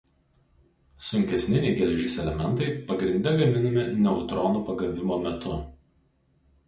Sunkesni nei geležis elementai pagrinde gaminami neutronų pagavimo metu.